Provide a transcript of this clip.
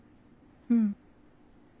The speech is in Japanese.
うん。